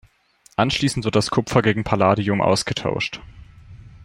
Anschließend wird das Kupfer gegen Palladium ausgetauscht.